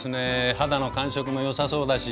肌の感触も良さそうだし。